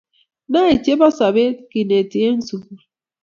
nae chebo sobee keneti en sukul